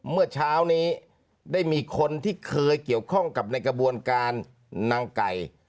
เมื่อเช้านี้ได้มีคนที่เคยเกี่ยวข้องกับในกระบวนการนางไก่